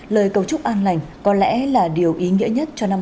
lời cầu chúc an lành có lẽ là điều ý nghĩa nhất cho năm hai nghìn hai mươi